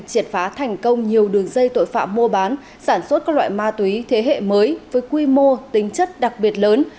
triệt phá thành công nhiều đường dây tội phạm mua bán sản xuất các loại ma túy thế hệ mới với quy mô tính chất đặc biệt lớn